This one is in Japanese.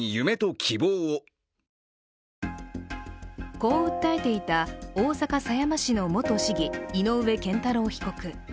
こう訴えていた大阪狭山市の元市議井上健太郎被告。